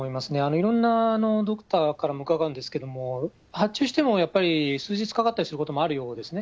いろんなドクターからも伺うんですけれども、発注してもやっぱり数日かかったりすることもあるようですね。